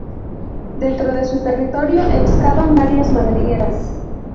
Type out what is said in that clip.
Dentro de su territorio excavan varias madrigueras.